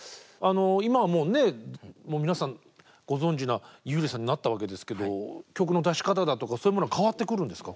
今はもうね皆さんご存じな優里さんになったわけですけど曲の出し方だとかそういうものは変わってくるんですか？